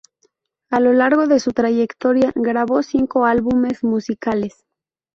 A lo largo de su trayectoria grabó cinco álbumes musicales.